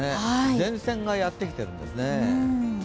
前線がやってきてるんですね。